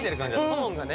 トーンがね。